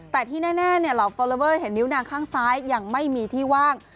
แต่ที่แน่เราเห็นนิ้วหน้าข้างซ้ายยังไม่มีที่ว่าง